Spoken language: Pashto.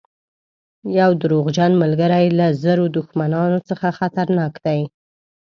یو دروغجن ملګری له زرو دښمنانو څخه خطرناک دی.